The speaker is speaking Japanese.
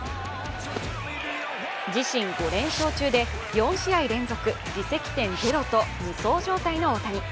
自身５連勝中で４試合連続自責点０と無双状態の大谷。